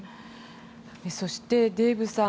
そして、デーブさん